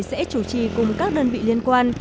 sẽ chủ trì cùng các đơn vị liên quan